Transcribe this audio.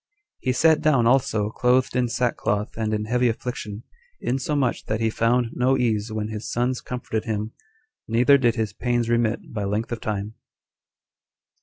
He sat down also clothed in sackcloth and in heavy affliction, insomuch that he found no ease when his sons comforted him, neither did his pains remit by length of time.